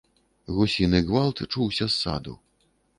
Гусіны гвалт чуўся з саду.